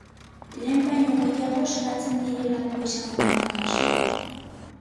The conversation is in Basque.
Lehen baino gehiago salatzen direlako izango da akaso?